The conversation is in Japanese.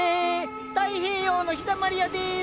太平洋の陽だまり屋です。